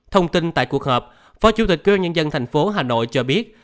thông tin tại cuộc họp phó chủ tịch quỹ ban nhân dân thành phố hà nội cho biết